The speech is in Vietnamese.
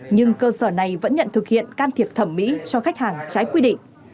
nhưng cơ sở này vẫn nhận thực hiện can thiệp thẩm mỹ cho khách hàng trái quy định